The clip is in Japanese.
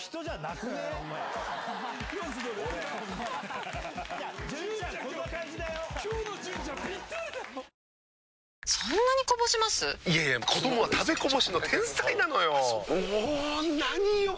いやいや子どもは食べこぼしの天才なのよ。も何よ